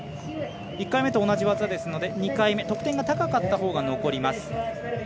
１回目と同じ技ですので２回目得点が高かったほうが残ります。